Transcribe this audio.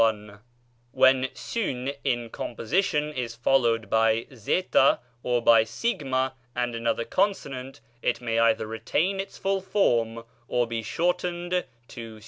1 When σύν in composition is followed by ¢ or by σ and another consonant, it may either retain its full form or be shortened to ov.